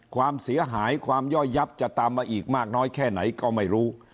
ความเสียหายความย่อยยับจะตามมาอีกมากน้อยแค่ไหนก็ไม่รู้